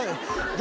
誰？